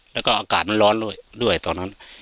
แล้วก็อากาศมันร้อนด้วยตอนนั้น